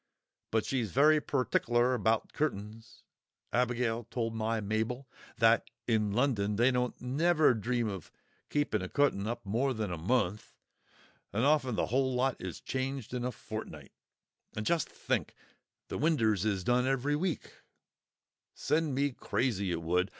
But she's very pertickler about cutt'ns. Abigail told my Mabel, that in London they don't never dream of keeping a cutt'n up more than a month, and often th'whole lot is changed in a fortnight; and just think, the winders is done every week! Send me crazy, it would!